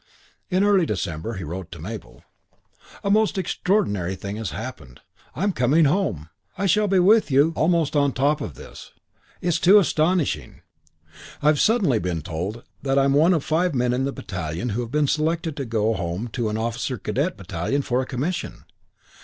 '" IV Early in December he wrote to Mabel: "A most extraordinary thing has happened. I'm coming home! I shall be with you almost on top of this. It's too astonishing. I've suddenly been told that I'm one of five men in the battalion who have been selected to go home to an Officer Cadet battalion for a commission.